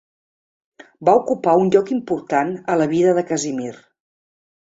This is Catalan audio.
Va ocupar un lloc important a la vida de Casimir.